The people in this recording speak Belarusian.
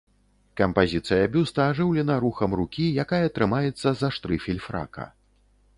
Кампазіцыя бюста ажыўлена рухам рукі, якая трымаецца за штрыфель фрака.